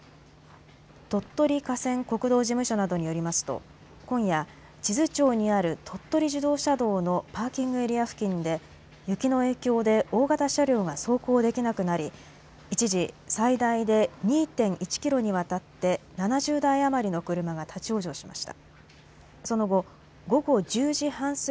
鳥取河川国土事務所などによりますと今夜智頭町にある鳥取自動車道のパーキングエリア付近で雪の影響で大型車両が走行できなくなり一時、最大で２．１キロにわたって７０台余りの車が立往生しました。